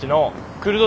クルド？